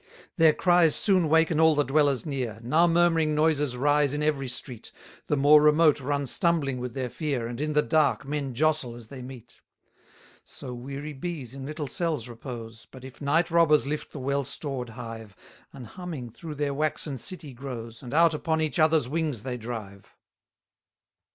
227 Their cries soon waken all the dwellers near; Now murmuring noises rise in every street: The more remote run stumbling with their fear, And in the dark men jostle as they meet. 228 So weary bees in little cells repose; But if night robbers lift the well stored hive, An humming through their waxen city grows, And out upon each other's wings they drive.